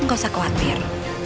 enggak usah khawatir